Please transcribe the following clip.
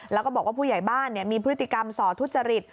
แล้วก็บอกว่าผู้ใหญ่บ้านมีพฤติกรรมส่อทุจริต